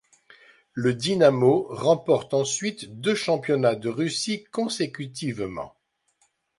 Le Dinamo remporte ensuite deux championnats de Russie consécutivement.